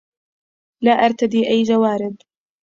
لا أرتدي أي جوارب.